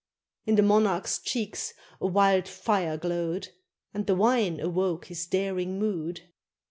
In the monarch's cheeks a wild fire glowed, And the wine awoke his daring mood.